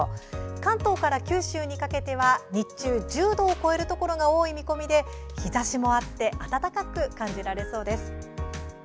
関東から九州にかけては日中１０度を超えるところが多い見込みで日中は日ざしもあって暖かく感じられそうです。